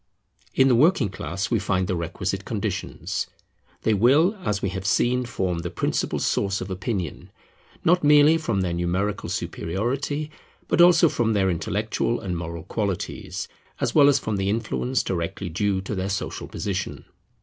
In the working class we find the requisite conditions. They will, as we have seen, form the principal source of opinion, not merely from their numerical superiority, but also from their intellectual and moral qualities, as well as from the influence directly due to their social position.